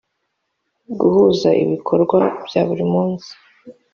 guhuza ibikorwa bya buri munsi